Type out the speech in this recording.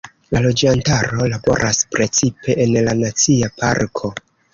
La loĝantaro laboras precipe en la nacia parko.